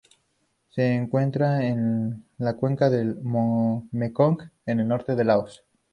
Se encuentra en la cuenca del Mekong al norte de Laos.